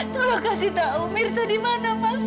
tolong kasih tahu mirza dimana mas